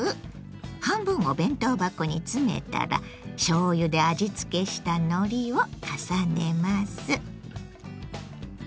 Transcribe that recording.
半分を弁当箱に詰めたらしょうゆで味付けしたのりを重ねます。